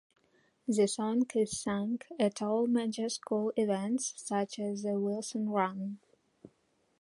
The song is sung at all major school events such as the Wilson Run.